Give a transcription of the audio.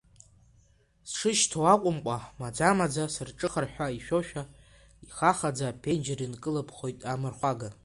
Сшышьҭоу акәымкәа маӡа-маӡа, сарҿыхар ҳәа ишәошәа, ихахаӡа аԥенџьыр инкылыԥхоит амырхәага.